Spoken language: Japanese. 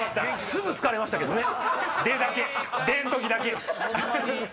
すぐ疲れましたけどね。